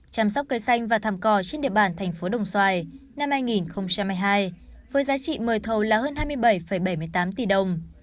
chăm sóc cây xanh và thăm cò trên địa bàn tp đồng xoài năm hai nghìn hai mươi hai với giá trị mời thầu là hơn hai mươi bảy bảy mươi tám tỷ đồng